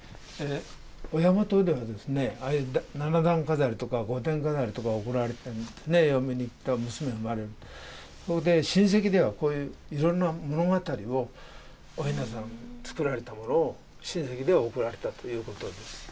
親元では、７段飾りとか５段飾りとか行われて、嫁に行って娘が生まれるので親戚ではこういういろんな物語をおひなさん作られたものを、親族で贈られたということなんです。